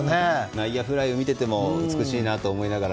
内野フライを見ていても美しいなと思いながら。